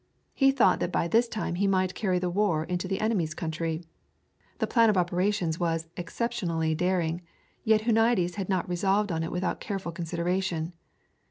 He thought that by this time he might carry the war into the enemy's country. The plan of operations was exceptionally daring, yet Huniades had not resolved on it without careful consideration.